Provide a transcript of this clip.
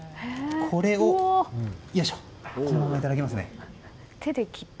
これを、このままいただきますね。